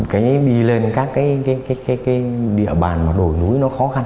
cái đi lên các cái địa bàn mà đồi núi nó khó khăn